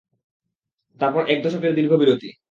তারপর এক দশকের দীর্ঘ বিরতি।